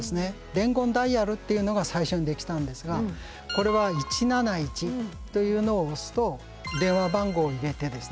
伝言ダイヤルっていうのが最初にできたんですがこれは１７１というのを押すと電話番号入れてですね